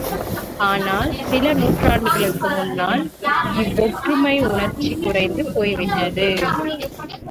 ஆனால், சில நூற்றாண்டுகளுக்கு முன்னால் இவ்வொற்றுமை உணர்ச்சி குறைந்து போய்விட்டது.